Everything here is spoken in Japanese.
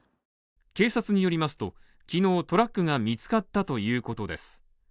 警察によりますときのうトラックが見つかったということです。